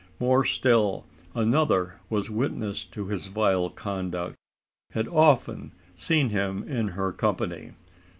More still: another was witness to his vile conduct had often seen him in her company.